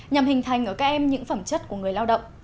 nhằm hình thành ở các em những phẩm chất của người lao động